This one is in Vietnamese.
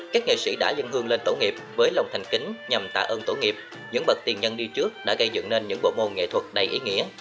các nghệ sĩ đã dân hương lên tổ nghiệp với lòng thành kính nhằm tạ ơn tổ nghiệp những bậc tiền nhân đi trước đã gây dựng nên những bộ môn nghệ thuật đầy ý nghĩa